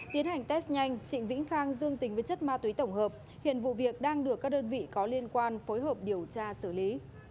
tiến hành test nhanh trịnh vĩnh khang dương tính với chất ma túy tổng hợp hiện vụ việc đang được các đơn vị có liên quan phối hợp điều tra xử lý